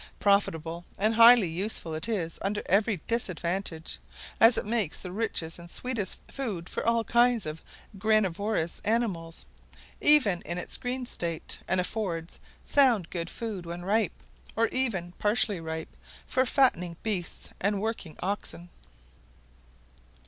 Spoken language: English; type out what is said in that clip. Profitable and highly useful it is under every disadvantage, as it makes the richest and sweetest food for all kinds of granivorous animals, even in its green state, and affords sound good food when ripe, or even partially ripe, for fattening beasts and working oxen.